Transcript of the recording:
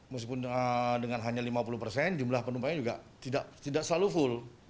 meskipun dengan hanya lima puluh persen jumlah penumpangnya juga tidak selalu full